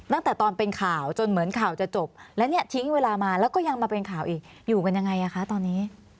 ตั้งแต่ตอนเป็นข่าวจนเหมือนข่าวจะจบแล้วเนี่ยทิ้งเวลามาแล้วก็ยังมาเป็นข่าวอีกอยู่กันยังไงอ่ะคะตอนนี้